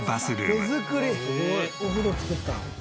お風呂作ったん。